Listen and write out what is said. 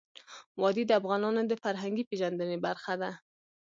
وادي د افغانانو د فرهنګي پیژندنې برخه ده.